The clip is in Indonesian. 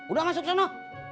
udah masuk sana